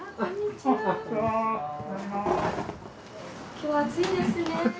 今日は暑いですね。